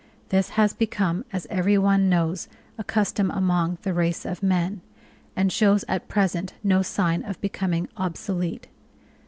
This has become, as every one knows, a custom among the race of men, and shows at present no sign of becoming obsolete.